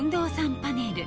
パネル